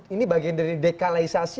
ini bagian dari dekalisasi